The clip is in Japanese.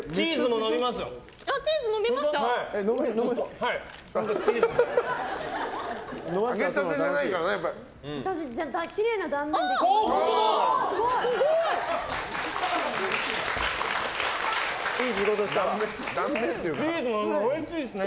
チーズがおいしいですね。